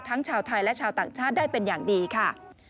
ชาวไทยและชาวต่างชาติได้เป็นอย่างดีค่ะ